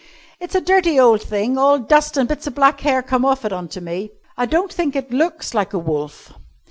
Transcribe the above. "It's a dirty ole thing, all dust and bits of black hair come off it on me. I don't think it looks like a wolf.